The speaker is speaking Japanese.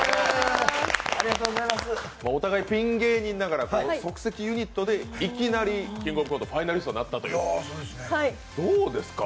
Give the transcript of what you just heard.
お互いピン芸人ながら即席ユニットでいきなり「キングオブコント」ファイナリストになったというどうですか？